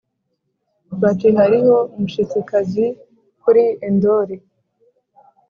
bati “hariho umushitsikazi kuri endori”